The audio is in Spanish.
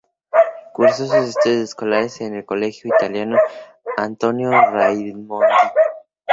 Cursó sus estudios escolares en el Colegio Italiano Antonio Raimondi.